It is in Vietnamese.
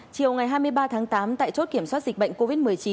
chiều ngày hai mươi ba tháng tám tại chốt kiểm soát dịch bệnh covid một mươi chín